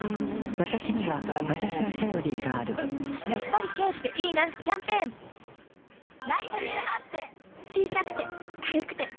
わたしにはわたしの「セオリー」があるやっぱり軽っていいなキャンペーン確かにその説は存在します。